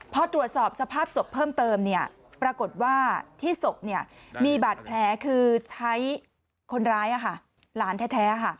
พอตรวจสอบสภาพศพเพิ่มเติมปรากฏว่าที่ศพมีบาดแผลคือใช้คนร้ายหลานแท้